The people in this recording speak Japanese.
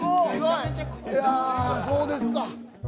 「いやそうですか」